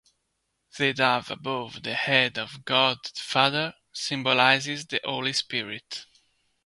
The dove above the head of God the Father symbolises the Holy Spirit.